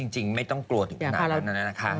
จริงไม่ต้องกลัวถึงขนาดนั้นนะคะ